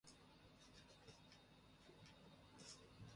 суфикс